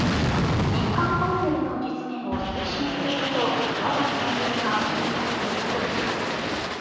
日韓トンネルの実現を推進することなどの内容が盛り込まれていたといいます。